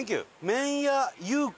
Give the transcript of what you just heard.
麺屋優光。